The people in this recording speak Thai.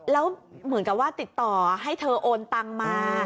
แล้วเหมือนกับว่าติดต่อให้เธอโอนตังมา